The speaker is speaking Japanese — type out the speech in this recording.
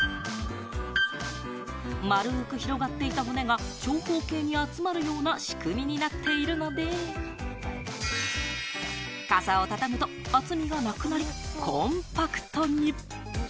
丸く広がっていた骨が長方形に集まるような仕組みになっているので、傘を畳むと厚みがなくなり、コンパクトに。